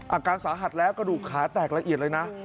อาการสาหัสแล้วกระดูกขาแตกละเอียดเลยนะ